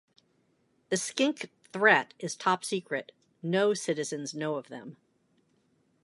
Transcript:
The Skink Threat is top secret, no citizens know of them.